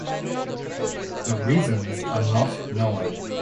The reasons are not known.